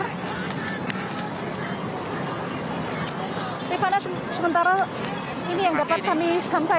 jika tpp gameplay hanya bererosio saja kita lihataaa ini tempat ini terlihat seperti lumayan bergegas ya baltimore di tempat ini